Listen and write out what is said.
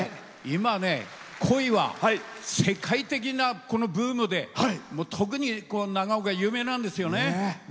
今、コイは世界的なブームで特に長岡は有名なんですよね。